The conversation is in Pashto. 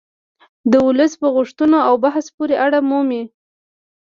د ولس په غوښتنو او بحث پورې اړه مومي